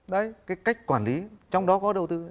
đấy cái cách quản lý trong đó có đầu tư